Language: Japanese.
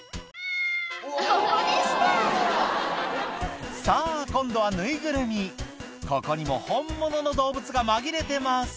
ここでしたさぁ今度はぬいぐるみここにも本物の動物が紛れてます